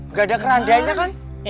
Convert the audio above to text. gak ada kerandanya kan